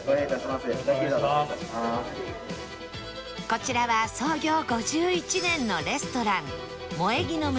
こちらは創業５１年のレストラン